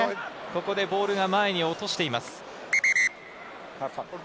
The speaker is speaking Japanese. ここでボールを前に落としています。